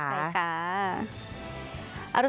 ใช่ค่ะ